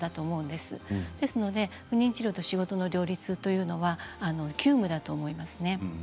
ですから不妊治療と仕事の両立というのは急務だと思いますね。